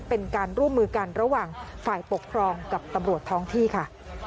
เป็นการร่วมมือกันระหว่างฝ่ายปกครองกับตำรวจท้องที่ค่ะ